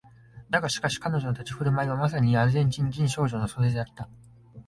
だがしかし彼女の立ち居振る舞いはまさにアルゼンチン人少女のそれだった